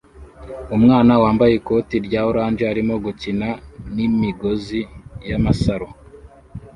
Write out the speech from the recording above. Umwana wambaye ikoti rya orange arimo gukina n'imigozi y'amasaro